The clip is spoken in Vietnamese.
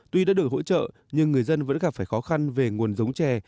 tuy đã được hỗ trợ nhưng người dân vẫn gặp phải khó khăn về nguồn giống chè